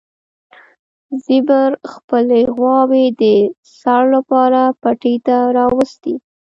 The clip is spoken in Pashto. زبیر خپلې غواوې د څړ لپاره پټي ته راوستې.